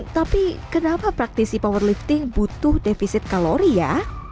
tapi kenapa praktisi powerlifting butuh defisit kalori ya